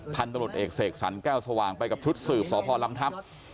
พันตรวจเอกเสกสรรแก้วสว่างไปกับชุดสืบสพลำทัพ